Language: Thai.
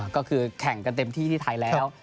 ก็คือแข่งกันเต็มที่ที่ไทยแล้ว